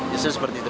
justru seperti itu